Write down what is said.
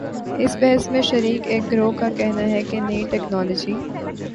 اس بحث میں شریک ایک گروہ کا کہنا ہے کہ نئی ٹیکنالوجی